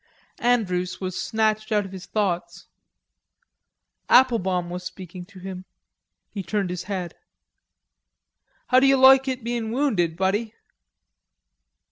Andrews was snatched out of his thoughts. Applebaum was speaking to him; he turned his head. "How d'you loike it bein' wounded, buddy?"